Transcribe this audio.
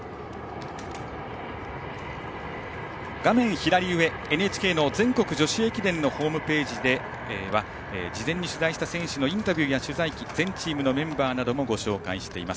左上、ＮＨＫの全国女子駅伝のホームページでは事前に取材した選手のインタビューや取材記全チームのメンバーなどもご紹介しています。